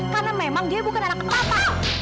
karena memang dia bukan anak papa